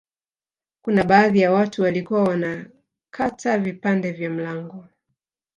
Kuna baadhi ya watu walikuwa wanakata vipande vya mlango